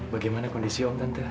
bagaimana kondisi om tante